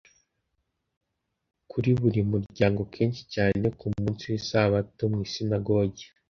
kuri buri muryango. Kenshi cyane, ku munsi w'isabato mu isinagogi,